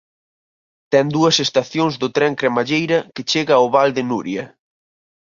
Ten dúas estacións do tren cremalleira que chega ao Val de Núria.